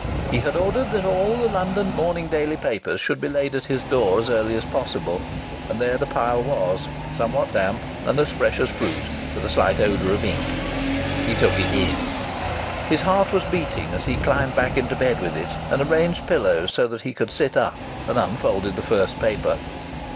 He had ordered that all the London morning daily papers should be laid at his door as early as possible and there the pile was, somewhat damp, and as fresh as fruit, with a slight odour of ink. He took it in. His heart was beating as he climbed back into bed with it and arranged pillows so that he could sit up, and unfolded the first paper.